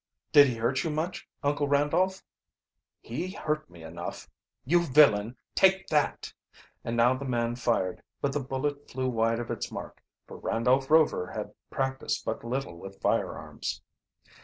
"Did he hurt you much, Uncle Randolph?" "He hurt me enough. You villain, take that!" And now the man fired, but the bullet flew wide of its mark, for Randolph Rover had practiced but little with firearms.